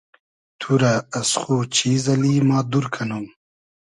تو رۂ از خو چیز اللی ما دور کئنوم